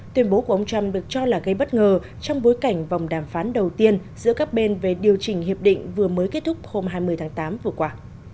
tuyên bố của ông trump được cho là gây bất ngờ trong bối cảnh vòng đàm phán đầu tiên giữa các bên về điều chỉnh hiệp định vừa mới kết thúc hôm hai mươi tháng tám vừa qua